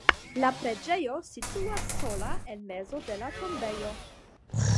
La preĝejo situas sola en mezo de la tombejo.